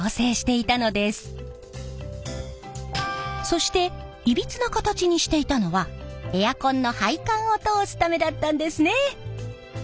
そしていびつな形にしていたのはエアコンの配管を通すためだったんですね！